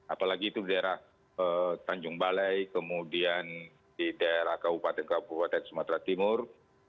apalagi itu di daerah tanjung balai kemudian di daerah kabupaten kabupaten sumatera timur